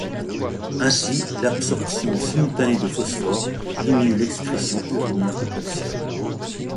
Ainsi, l'absorption simultanée de phosphore diminue l'excrétion urinaire de calcium.